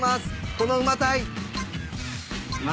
このうまだい。